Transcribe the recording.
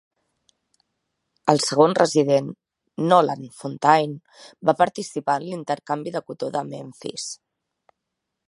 El segon resident, Noland Fontaine, va participar en l'intercanvi de cotó de Memphis.